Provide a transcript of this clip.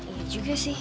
iya juga sih